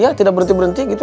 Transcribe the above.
ya tidak berhenti berhenti gitu